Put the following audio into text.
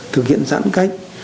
thực hiện giãn cách